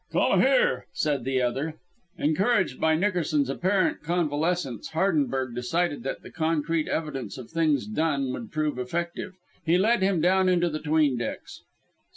"Come here," said the other. Encouraged by Nickerson's apparent convalescence, Hardenberg decided that the concrete evidence of things done would prove effective. He led him down into the 'tween decks.